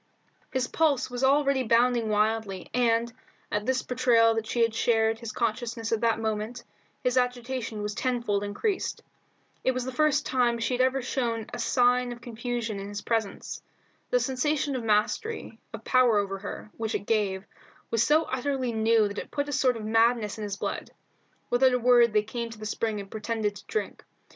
His pulses were already bounding wildly, and, at this betrayal that she had shared his consciousness at that moment, his agitation was tenfold increased. It was the first time she had ever shown a sign of confusion in his presence. The sensation of mastery, of power over her, which it gave, was so utterly new that it put a sort of madness in his blood. Without a word they came to the spring and pretended to drink.